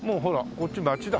こっち街だ。